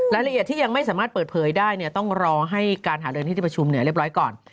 รายละเอียดที่ยังไม่สามารถเปิดเผยได้เนี่ยต้องรอให้การหาเรือนที่ที่ประชุมเรียบร้อยก่อน